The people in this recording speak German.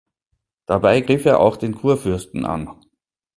Dabei griff er auch den Kurfürsten an.